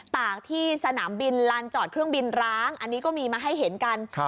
ตากที่สนามบินลานจอดเครื่องบินร้างอันนี้ก็มีมาให้เห็นกัน